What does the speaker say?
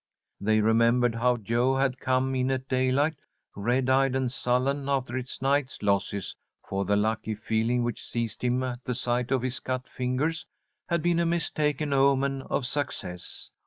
They remembered how Jo had come in at daylight, red eyed and sullen, after his night's losses, for the lucky feeling which seized him at the sight of his cut fingers had been a mistaken omen of success.